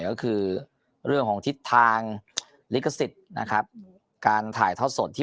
ก็คือเรื่องของทิศทางลิขสิทธิ์นะครับการถ่ายทอดสดที่